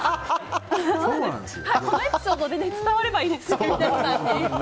このエピソードで伝わればいいですね。